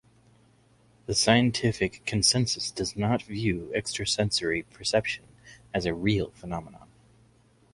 The scientific consensus does not view extrasensory perception as a real phenomenon.